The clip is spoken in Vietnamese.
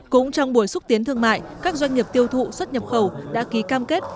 cũng trong buổi xúc tiến thương mại các doanh nghiệp tiêu thụ xuất nhập khẩu đã ký cam kết